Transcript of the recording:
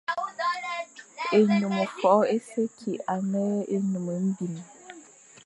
Ényum fôʼô é se kig a ne ényum mbim.